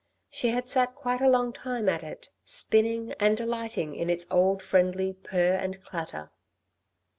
She had sat quite a long time at it, spinning, and delighting in its old friendly purr and clatter.